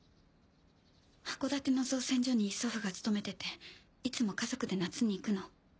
函館の造船所に祖父が勤めてていつも家族で夏に行くの。